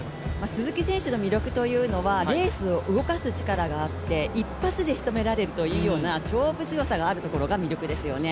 鈴木選手の魅力というのはレースを動かす力があって一発で仕留められるというような勝負強さがあるところが魅力ですよね。